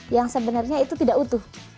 yang sebenarnya itu tidak utuh